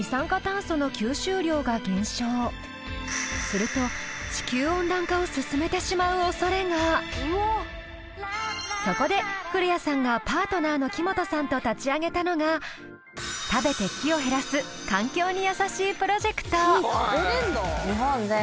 すると更に不健康な木はするとそこで古谷さんがパートナーの木本さんと立ち上げたのが食べて木を減らす環境に優しいプロジェクト。